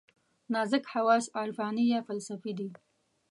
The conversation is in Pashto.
نازک حواس عرفاني یا فلسفي دي.